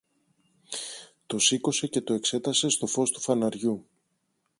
Το σήκωσε και το εξέτασε στο φως του φαναριού.